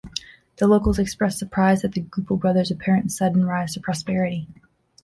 The locals expressed surprise at the Goupil brothers' apparent sudden rise to prosperity.